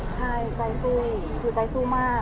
ใช่ใจสู้คือใจสู้มาก